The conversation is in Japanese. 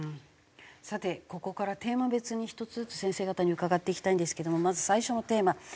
さてここからテーマ別に１つずつ先生方に伺っていきたいんですけどもまず最初のテーマ。